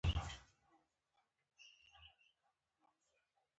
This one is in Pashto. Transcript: ازادي راډیو د د ځنګلونو پرېکول په اړه د کارګرانو تجربې بیان کړي.